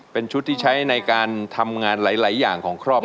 เป็นชุดที่ใช้ในการทำงานหลายอย่างของครอบครัว